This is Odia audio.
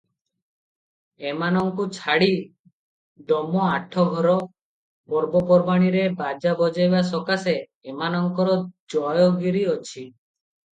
ଏମାନଙ୍କୁ ଛାଡ଼ି ଡମ ଆଠ ଘର, ପର୍ବପର୍ବାଣୀରେ ବାଜା ବଜାଇବା ସକାଶେ ଏମାନଙ୍କର ଜାୟଗିରି ଅଛି ।